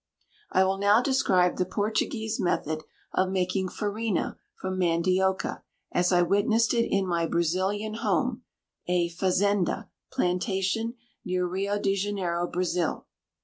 I will now describe the Portuguese method of making farina from mandioca, as I witnessed it in my Brazilian home, a fazenda, plantation, near Rio de Janeiro, Brazil.